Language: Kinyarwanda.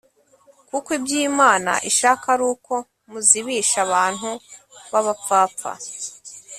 Kuko ibyo Imana ishaka ari uko muzibisha abantu b'abapfapfa,